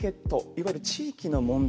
いわゆる地域の問題